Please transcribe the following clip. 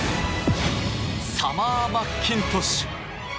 サマー・マッキントッシュ。